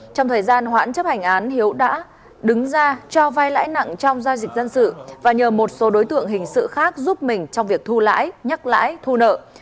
trong thời gian hoãn chấp hành án hiếu đã đứng ra cho vai lãi nặng trong giao dịch dân sự và nhờ một số đối tượng hình sự khác giúp mình trong việc thu lãi nhắc lãi thu nợ